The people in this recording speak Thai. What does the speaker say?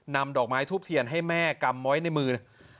นำดอกไม้ทูบเทียนให้แม่กำไว้ในมือ